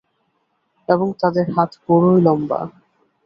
এবং তাঁদের হাত বড়ই লম্বা।